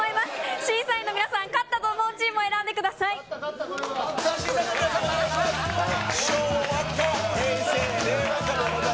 審査員の皆さん、勝ったと思うチームを選んでください。